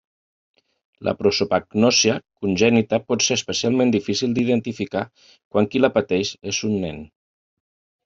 La prosopagnòsia congènita pot ser especialment difícil d'identificar quan qui la pateix és un nen.